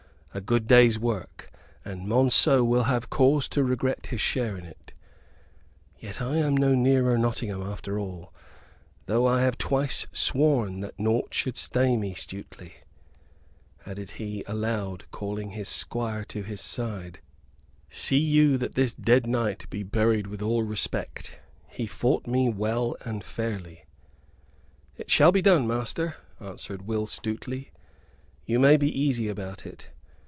"A good day's work; and Monceux will have cause to regret his share in it. Yet am I no nearer Nottingham after all, tho' I have twice sworn that naught should stay me. Stuteley," added he, aloud, calling his squire to his side, "see you that this dead knight be buried with all respect; he fought me well and fairly." "It shall be done, master," answered Will Stuteley; "you may be easy about it.